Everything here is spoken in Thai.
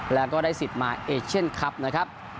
แล้วก็ได้สิทธิ์มาเอเชียนคลับนะครับ